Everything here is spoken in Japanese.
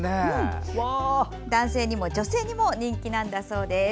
男性にも女性にも人気なんだそうです。